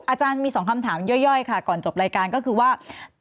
อาจารย์มี๒คำถามย่อยค่ะก่อนจบรายการก็คือว่า